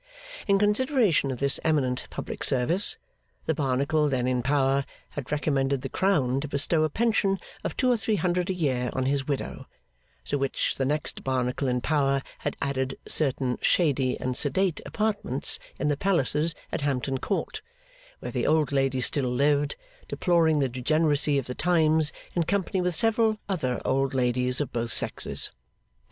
In consideration of this eminent public service, the Barnacle then in power had recommended the Crown to bestow a pension of two or three hundred a year on his widow; to which the next Barnacle in power had added certain shady and sedate apartments in the Palaces at Hampton Court, where the old lady still lived, deploring the degeneracy of the times in company with several other old ladies of both sexes.